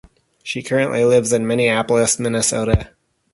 She currently lives in Minneapolis, Minnesota.